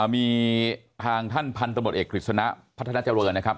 มีทางท่านพันธุ์ตำรวจเอกกฤษณะพัฒนาจัวร์นะครับ